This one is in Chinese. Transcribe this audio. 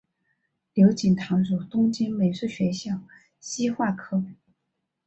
刘锦堂入东京美术学校西画科